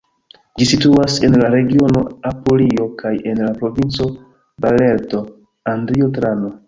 Ĝi situas en la regiono Apulio kaj en la provinco Barleto-Andrio-Trano.